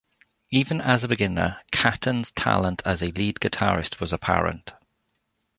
Even as a beginner, Caton's talent as a lead guitarist was apparent.